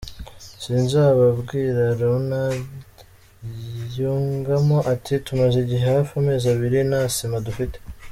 Sinzabakwira Leonard yungamo ati” Tumaze igihe hafi amezi abiri nta sima dufite.